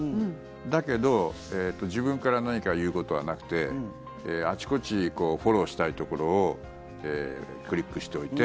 だけど自分から何か言うことはなくてあちこちフォローしたいところをクリックしておいて